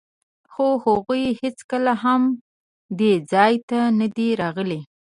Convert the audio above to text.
خو هغوی هېڅکله هم دې ځای ته نه دي راغلي.